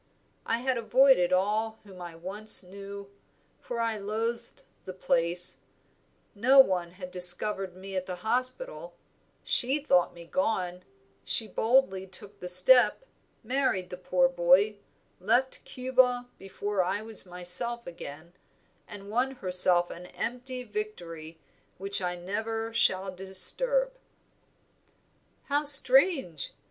I had avoided all whom I once knew, for I loathed the place; no one had discovered me at the hospital, she thought me gone, she boldly took the step, married the poor boy, left Cuba before I was myself again, and won herself an empty victory which I never shall disturb." "How strange!